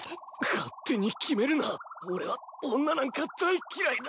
勝手に決めるな俺は女なんか大っ嫌いだ。